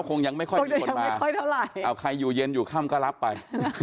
คงยังไม่ค่อยมีคนมาใครอยู่เย็นอยู่ข้ำก็รับไป